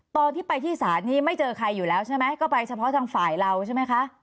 ตอนที่ไปที่ศาลนี้ไม่เจอใครอยู่แล้วใช่ไหมก็ไปเฉพาะทางฝ่ายเราใช่ไหมคะ